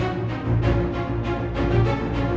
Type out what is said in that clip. ulan yang displacement